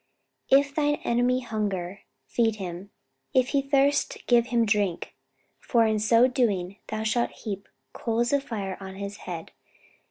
"If thine enemy hunger, feed him; if he thirst give him drink; for in so doing thou shalt heap coals of fire on his head.